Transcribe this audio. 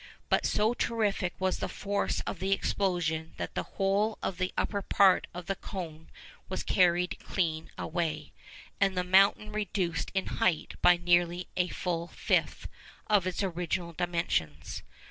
But so terrific was the force of the explosion that the whole of the upper part of the cone was carried clean away, and the mountain reduced in height by nearly a full fifth of its original dimensions.